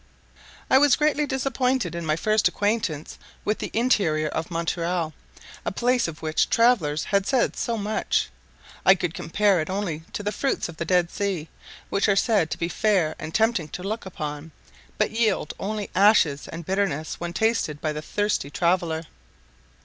] I was greatly disappointed in my first acquaintance with the interior of Montreal; a place of which travellers had said so much. I could compare it only to the fruits of the Dead sea, which are said to be fair and tempting to look upon, but yield only ashes and bitterness when tasted by the thirsty traveller. ..........